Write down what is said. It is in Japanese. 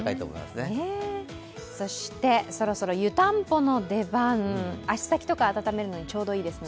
そして、そろそろ湯たんぽの出番、足先とか温めるのにちょうどいいですね。